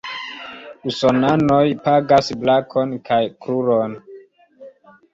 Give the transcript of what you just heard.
Usonanoj pagas brakon kaj kruron.